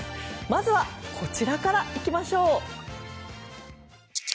まずはこちらから行きましょう。